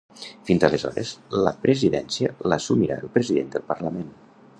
Fins aleshores, la presidència l’assumirà el president del parlament.